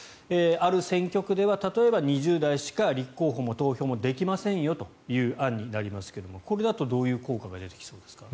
ある選挙区では例えば２０代しか立候補も投票もできませんよという案になりますけれどもこれだとどういう効果が出てきそうですか？